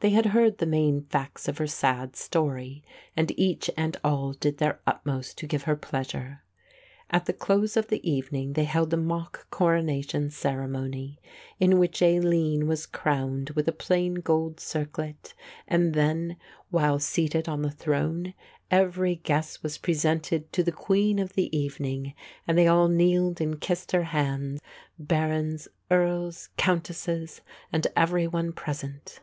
They had heard the main facts of her sad story and each and all did their utmost to give her pleasure. At the close of the evening they held a mock coronation ceremony, in which Aline was crowned with a plain gold circlet and then, while seated on the throne, every guest was presented to the Queen of the evening and they all kneeled and kissed her hand, barons, earls, countesses and every one present.